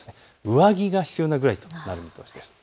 上着が必要となるぐらいという見通しです。